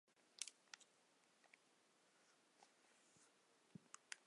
结果由同属自由党的杨哲安胜出。